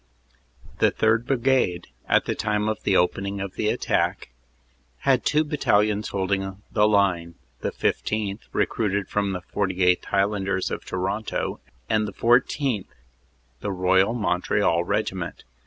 The 3rd. Brigade, at the time of the opening of the attack, had two battalions holding the line, the 15th., recruited from the 48th. Highlanders of Toronto, and 14th., the Royal Mont real Regiment.